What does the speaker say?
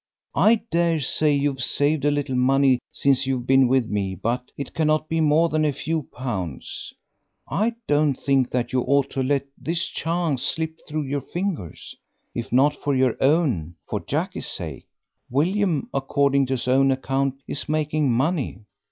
I daresay you've saved a little money since you've been with me, but it cannot be more than a few pounds. I don't think that you ought to let this chance slip through your fingers, if not for your own, for Jackie's sake. William, according to his own account, is making money.